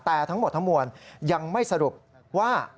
แต่ทั้งหมดทั้งมวลยังไม่สรุปว่า